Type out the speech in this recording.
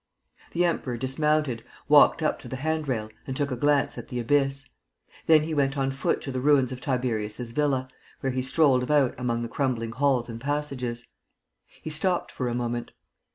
... The Emperor dismounted, walked up to the hand rail and took a glance at the abyss. Then he went on foot to the ruins of Tiberius's Villa, where he strolled about among the crumbling halls and passages. He stopped for a moment.